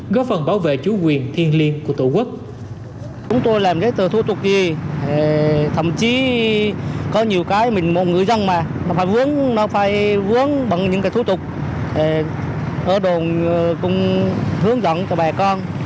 góp phần bảo vệ chủ quyền thiên liêng của tổ quốc